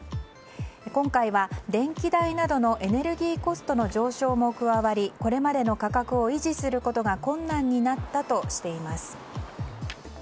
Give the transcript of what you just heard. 今回は電気代などのエネルギーコストの上昇も加わりこれまでの価格を維持することが困難になったとしています。